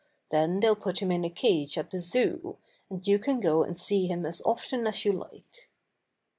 Then they'll put him in a cage at the Zoo, and you can go and see him as often as you like."